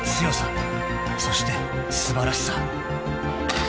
［そして素晴らしさ］